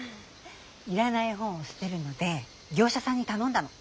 いらない本を捨てるので業者さんに頼んだの。